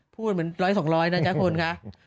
พูดเหมือนร้อยนะจ๊ะคุณคะ